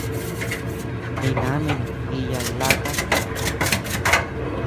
Jinamin jiya laka.